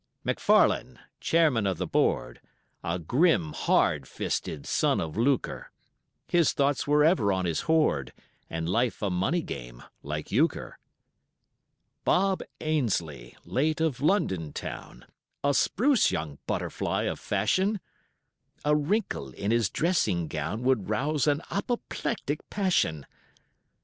McFarlane, Chairman of the Board, A grim hard fisted son of lucre, His thoughts were ever on his hoard, And life a money game, like Euchre. Bob Ainslie, late of London Town, A spruce young butterfly of fashion, A wrinkle in his dressing gown Would rouse an apoplectic passion.